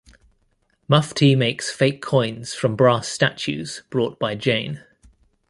Mufti makes fake coins from brass statues brought by Jane.